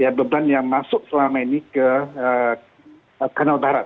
ya beban yang masuk selama ini ke kanal barat